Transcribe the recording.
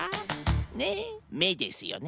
ねっめですよね。